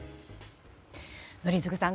宜嗣さん